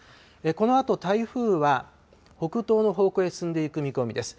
このあと台風は北東の方向へ進んでいく見込みです。